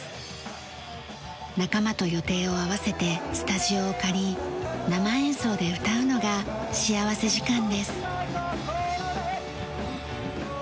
仲間と予定を合わせてスタジオを借り生演奏で歌うのが幸福時間です。